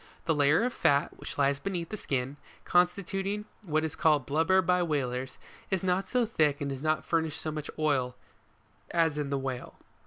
The layer of fat, which lies beneath the skin, constituting what is called blubber by whalers, is not so thick and does not furnish so much oil, as in the whale.